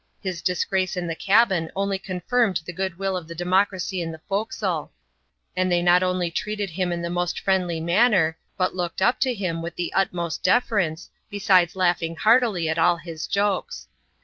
His disgrace in the cabin only confirmed the good will of the democracy in the forecastle ; and they not only treated him in the most friendly manner, but looked up to him with the utmost deference, besides laughing heartily at all his jokes.